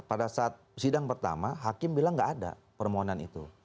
pada saat sidang pertama hakim bilang nggak ada permohonan itu